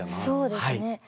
そうですね。